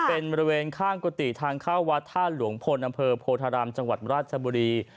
เป็นบริเวณข้างกุฏิทางเข้าวัดท่าหลวงพลอำเภอโพธารามจังหวัดราชบุรี